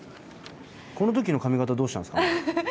この時の髪形はどうしたんですかね。